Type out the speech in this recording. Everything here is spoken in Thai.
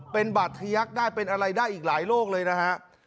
เป็นบัตรทยักษ์ได้เป็นอะไรได้อีกหลายโรคเลยนะฮะ